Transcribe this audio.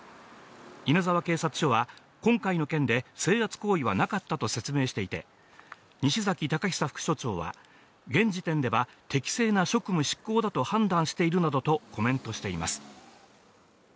稲沢警察署は今回の件で制圧行為はなかったと説明していて、西崎恭尚副署長は現時点では適正な職務執行だと判断しているなどとコメントしています。